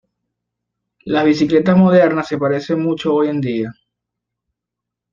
Las bicicletas modernas se parecen mucho hoy en día.